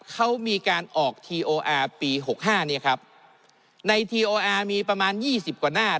เขามีการออกทีโออาร์ปีหกห้าเนี่ยครับในทีโออาร์มีประมาณยี่สิบกว่าหน้า